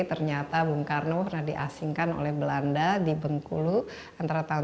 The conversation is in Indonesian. ternyata bung karno pernah diasingkan oleh belanda di bung kulu antara tahun tiga puluh empat